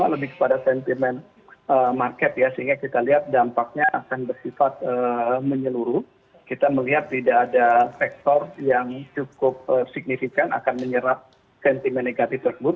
lihat tidak ada sektor yang cukup signifikan akan menyerap kentimen negatif tersebut